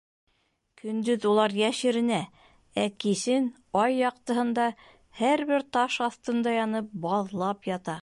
Көндөҙ улар йәшеренә, ә кисен ай яҡтыһында, һәр бер таш аҫтында янып, баҙлап ята.